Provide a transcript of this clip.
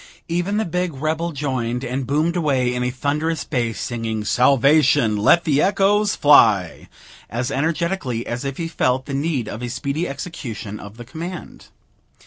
Even the big rebel joined, and boomed away in a thunderous bass, singing "Salvation! let the echoes fly," as energetically as if he felt the need of a speedy execution of the command.